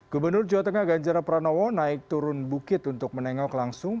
gubernur jawa tengah ganjar pranowo naik turun bukit untuk menengok langsung